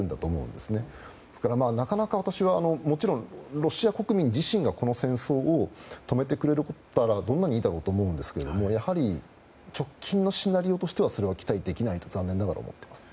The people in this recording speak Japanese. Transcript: ですから、なかなかもちろんロシア国民自身がこの戦争を止めてくれたらどんなにいいだろうと思うんですけれどもやはり、直近のシナリオとしてはそれは期待できないと残念ながら思います。